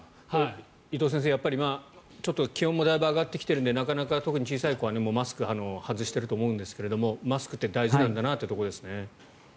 伊藤先生、気温もだいぶ上がってきているので特に小さい子はマスク、外していると思うんですがマスクって大事なんだなというところですね。